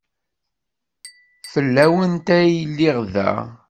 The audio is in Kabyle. Fell-awent ay lliɣ da.